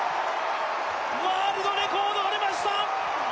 ワールドレコードが出ました